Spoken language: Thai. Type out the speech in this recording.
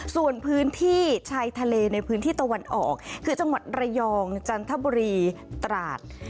ส่วนพื้นที่ชายทะเลในพื้นที่ตะวันออกคือจังหวัดระยองจันทบุรีตราด